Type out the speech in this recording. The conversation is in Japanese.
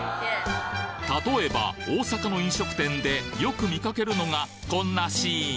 例えば、大阪の飲食店でよく見かけるのが、こんなシーン。